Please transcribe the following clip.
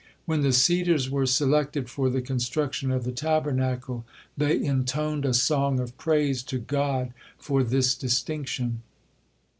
When the cedars were selected for the construction of the Tabernacle, they intoned a song of praise to God for this distinction.